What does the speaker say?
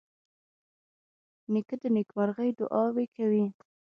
نیکه د نیکمرغۍ دعاوې کوي.